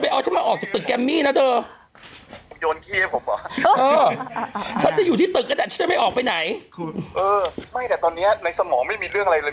ไม่แต่ตอนนี้ในสมองไม่มีเรื่องอะไรเลย